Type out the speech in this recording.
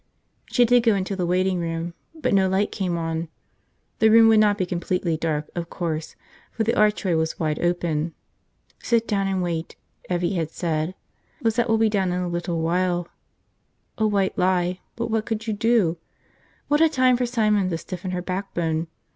She did go into the waiting room, but no light came on. The room would not be completely dark, of course, for the archway was wide open. Sit down and wait, Evvie had said, Lizette will be down in a little while. A white lie, but what could you do? What a time for Simon to stiffen her backbone!